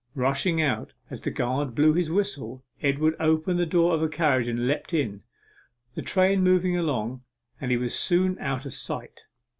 Rushing out as the guard blew his whistle, Edward opened the door of a carriage and leapt in. The train moved along, and he was soon out of sight.